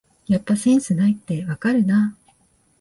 やっぱセンスないってわかるな